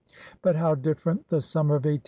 But how different the summer of 1851 !